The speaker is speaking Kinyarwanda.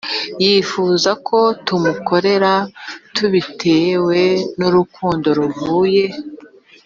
yifuza ko tumukorera tubitewe n urukundo ruvuye